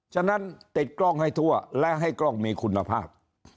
ฉะนั้นติดกล้องให้ทั่วและให้กล้องมีคุณภาพ